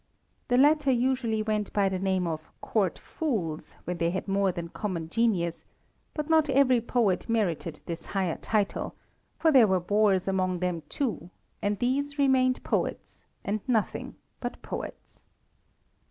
The latter usually went by the name of "court fools" when they had more than common genius, but not every poet merited this higher title, for there were bores among them too, and these remained poets, and nothing but poets.